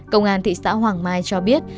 công an thị xã hoàng mai cho biết